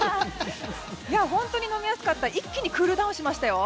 本当に飲みやすかった一気にクールダウンしました。